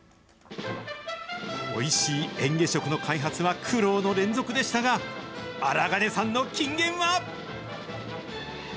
おいしい嚥下食の開発は苦労の連続でしたが、荒金さんの金言は。